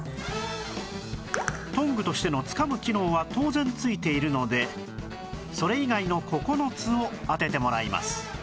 トングとしてのつかむ機能は当然ついているのでそれ以外の９つを当ててもらいます